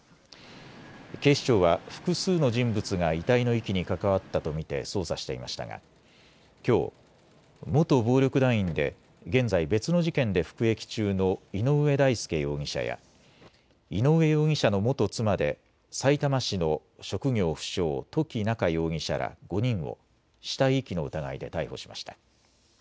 警視庁は複数の人物が遺体の遺棄に関わったと見て捜査していましたがきょう、元暴力団員で現在、別の事件で服役中の井上大輔容疑者や井上容疑者の元妻でさいたま市の職業不詳、土岐菜夏容疑者ら５人を死体遺棄の疑いで逮捕しました。